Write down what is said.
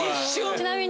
ちなみに。